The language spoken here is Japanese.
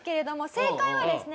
正解はですね